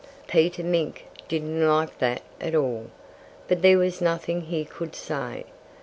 Peter Mink didn't like that at all. But there was nothing he could say.